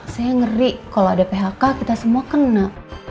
saya ngeri kalau ada phk kita semua kena